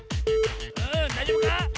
うんだいじょうぶか？